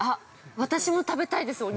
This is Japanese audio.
◆私も食べたいです、お肉。